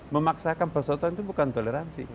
memaksakan persatuan itu bukan toleransi